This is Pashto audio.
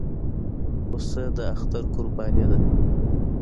پسه د اختر قرباني ده.